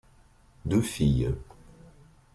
Deux filles.